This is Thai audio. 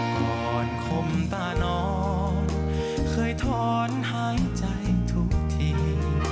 ก่อนคมตานอนเคยถอนหายใจทุกที